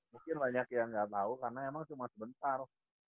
mungkin banyak yang nggak tahu karena emang cuma sebentar